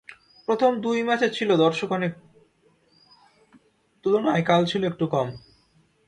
প্রথম দুই ম্যাচে ছিল অনেক দর্শক, তুলনায় কাল ছিল একটু কম।